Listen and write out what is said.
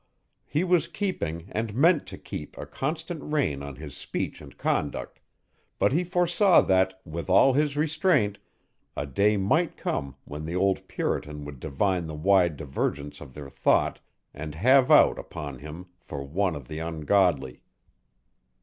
He was keeping and meant to keep a constant rein on his speech and conduct, but he foresaw that, with all his restraint, a day might come when the old puritan would divine the wide divergence of their thought and have out upon him for one of the ungodly.